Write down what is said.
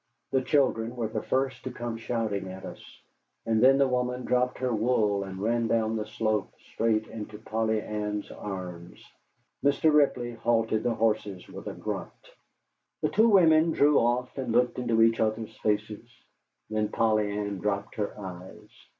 The children were the first to come shouting at us, and then the woman dropped her wool and ran down the slope straight into Polly Ann's arms. Mr. Ripley halted the horses with a grunt. The two women drew off and looked into each other's faces. Then Polly Ann dropped her eyes.